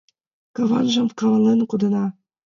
Каванжым каванлен кодена.